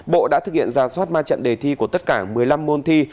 bộ đã thực hiện ra soát ma trận đề thi của tất cả một mươi năm môn thi